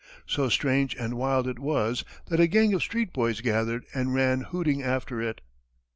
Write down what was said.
So strange and wild it was that a gang of street boys gathered and ran hooting after it.